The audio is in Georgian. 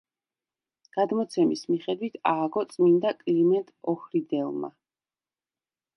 გადმოცემის მიხედვით ააგო წმინდა კლიმენტ ოჰრიდელმა.